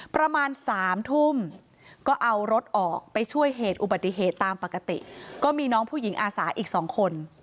ประมาณ๓ทุ่มก็เอารถออกไปช่วยเหตุอุบัติเหตุตามปกติก็มีน้องผู้หญิงอาสาอีก๒คน